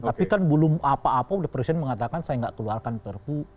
tapi kan belum apa apa presiden mengatakan saya nggak keluarkan perpu